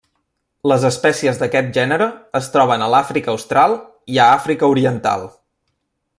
Les espècies d'aquest gènere es troben a l'Àfrica Austral i a Àfrica Oriental.